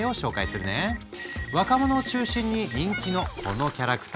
若者を中心に人気のこのキャラクター。